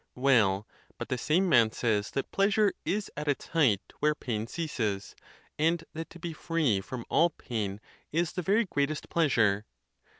Well, but the same man says that pleasure is at its height where pain ceases, and that to be free from all pain is the very greatest pleasure.